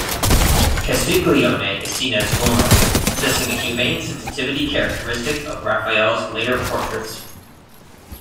Castiglione is seen as vulnerable, possessing a humane sensitivity characteristic of Raphael's later portraits.